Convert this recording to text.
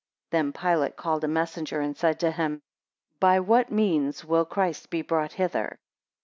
8 Then Pilate called a messenger, and said to him, By what means will Christ be brought hither?